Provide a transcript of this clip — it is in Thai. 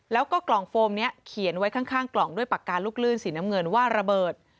แล้วก็กล่องโฟมนี้เขียนไว้ข้างกล่องด้วยปากกาลูกลื่นสีน้ำเงินว่าระเบิด